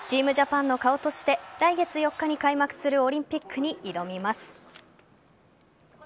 ＴＥＡＭＪＡＰＡＮの顔として来月４日に開幕するオリンピックに挑みます。